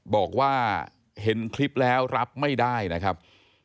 บอกว่าเห็นคลิปแล้วรับไม่ได้นะครับ